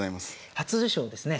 初受賞ですね。